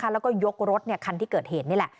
แล้วก็ยกรถคันที่เกิดเหตุนี่แหละ